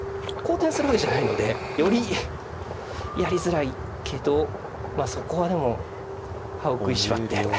好転するわけじゃないのでよりやりづらいけどそこはでも歯を食いしばって。